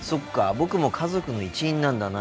僕も家族の一員なんだな。